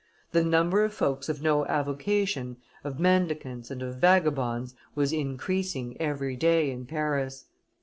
The number of folks of no avocation, of mendicants and of vagabonds, was increasing every day in Paris.